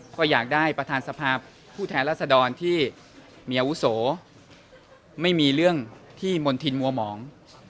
ก็อยากได้ประธานสภาพผู้แทนรัศดรที่มีอาวุโสไม่มีเรื่องที่มณฑินมัวหมอง